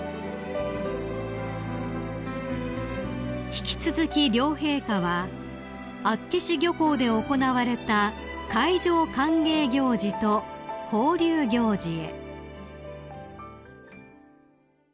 ［引き続き両陛下は厚岸漁港で行われた海上歓迎行事と放流行事へ］